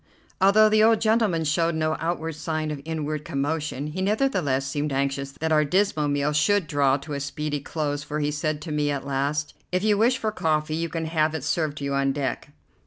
Although the old gentleman showed no outward sign of inward commotion, he nevertheless seemed anxious that our dismal meal should draw to a speedy close, for he said to me at last: "If you wish for coffee, you can have it served to you on deck."